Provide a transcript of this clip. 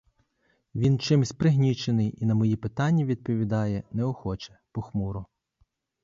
Він чимсь пригнічений і на мої питання відповідає неохоче, похмуро.